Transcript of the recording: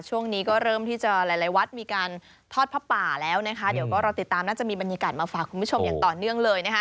ช่วงนี้ก็เริ่มที่จะหลายวัดมีการทอดผ้าป่าแล้วนะคะเดี๋ยวก็รอติดตามน่าจะมีบรรยากาศมาฝากคุณผู้ชมอย่างต่อเนื่องเลยนะคะ